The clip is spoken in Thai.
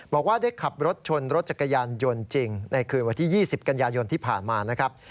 บอกว่าได้ขับรถชนรถจักรยานยนต์จริงในคืนวันที่๒๐กันยายนที่ผ่านมานะครับ